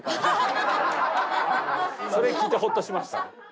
それ聞いてホッとしました。